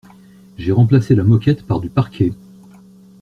J'ai remplacé la moquette par du parquet.